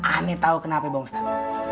aneh tau kenapa ya mbak ustaz